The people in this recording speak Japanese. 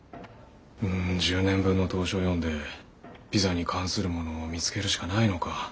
１０年分の投書を読んでピザに関するものを見つけるしかないのか。